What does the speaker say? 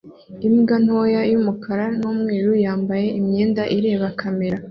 Imbwa ntoya y'umukara n'umweru yambaye imyenda ireba kamera